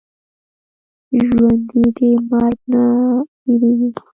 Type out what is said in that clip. ژوندي د مرګ نه وېرېږي